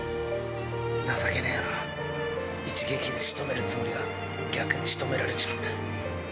情けねぇな、一撃でしとめるつもりが、逆にしとめられちまった。